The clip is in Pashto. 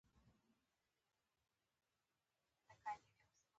په فلاني کال کې یې مخالفت نه دی ښودلی.